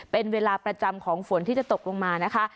เป็นเวลาประจำของฝนที่จะตกลงมานะคะ